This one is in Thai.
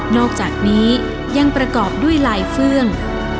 อกจากนี้ยังประกอบด้วยลายเฟื่อง